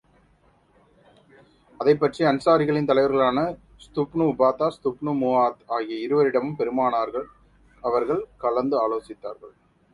அதைப் பற்றி அன்ஸாரிகளின் தலைவர்களான ஸஃதுப்னு உபாதா, ஸஃதுப்னு முஆத் ஆகிய இருவரிடமும் பெருமானார் அவர்கள் கலந்து ஆலோசித்தார்கள்.